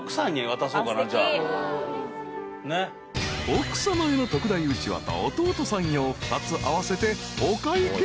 ［奥さまへの特大うちわと弟さん用２つ合わせてお会計］